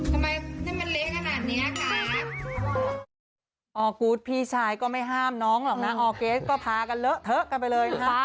ทำไมนี่มันเละขนาดเนี้ยคะออกูธพี่ชายก็ไม่ห้ามน้องหรอกนะออร์เกสก็พากันเลอะเทอะกันไปเลยนะคะ